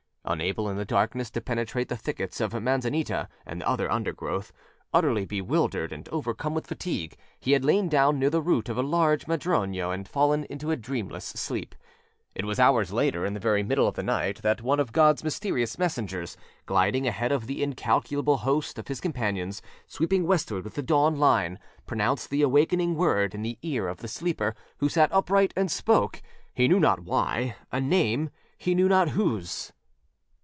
Unable in the darkness to penetrate the thickets of manzanita and other undergrowth, utterly bewildered and overcome with fatigue, he had lain down near the root of a large madroño and fallen into a dreamless sleep. It was hours later, in the very middle of the night, that one of Godâs mysterious messengers, gliding ahead of the incalculable host of his companions sweeping westward with the dawn line, pronounced the awakening word in the ear of the sleeper, who sat upright and spoke, he knew not why, a name, he knew not whose.